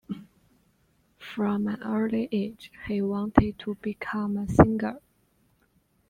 From an early age, he wanted to become a singer.